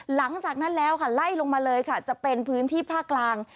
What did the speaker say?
หลังจากนั้นแล้วค่ะไล่ลงมาเลยค่ะจะเป็นพื้นที่ภาคกลาง